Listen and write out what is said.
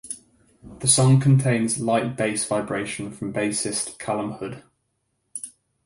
The song contains light bass vibration from bassist Calum Hood.